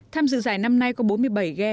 tham dự giải năm nay có bốn mươi bảy ghe